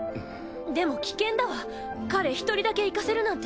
でも危険だわ彼１人だけ行かせるなんて。